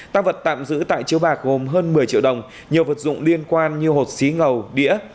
tăng vật tạm giữ tại chiếu bạc gồm hơn một mươi triệu đồng nhiều vật dụng liên quan như hột xí ngầu đĩa